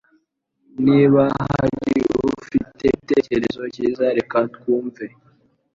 Niba hari ufite igitekerezo cyiza reka twumve